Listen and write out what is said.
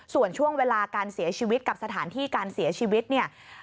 ส่วนช่วงเวลาการเสียชีวิตกับสถานที่การเสียชีวิตเนี่ย